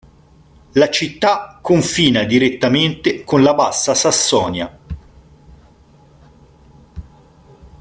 La città confina direttamente con la Bassa Sassonia.